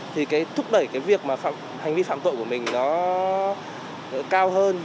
thì cái thúc đẩy cái việc mà hành vi phạm tội của mình nó cao hơn